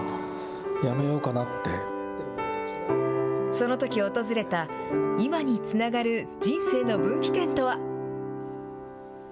そのとき訪れた、今につながる人生の分岐点とは。